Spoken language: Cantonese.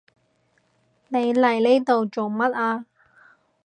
你嚟呢度做乜啊？